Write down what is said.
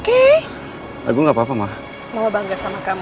emang kamu kenal sama perempuan itu